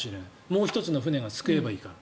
もう１つの船が救えばいいから。